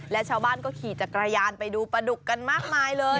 และชาวบ้านก็ขี่จักรยานไปดูปลาดุกกันมากมายเลย